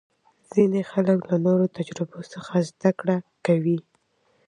ځینې خلک له نورو تجربو څخه زده کړه کوي.